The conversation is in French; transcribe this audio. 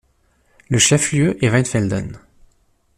Le chef-lieu est Weinfelden.